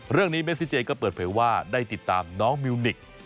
เรื่องนี้เบสซิเจก็เปิดเพลย์ว่าได้ติดตามน้องมิวนิก